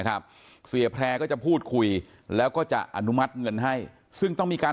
เสียแพร่ก็จะพูดคุยแล้วก็จะอนุมัติเงินให้ซึ่งต้องมีการ